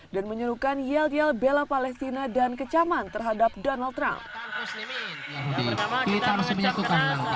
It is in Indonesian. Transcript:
menyerukan yel yel bela palestina dan kecaman terhadap donald trump